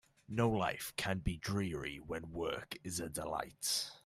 No life can be dreary when work is a delight.